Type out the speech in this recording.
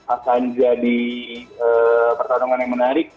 akan jadi pertarungan yang menarik